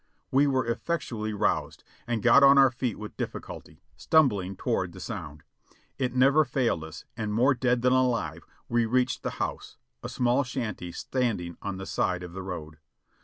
We were effectually roused, and got on our feet with difficulty, stumbling toward the sound. It never ^iled us and, more dead than alive, we reached the house, a small shanty standing on the side of the road.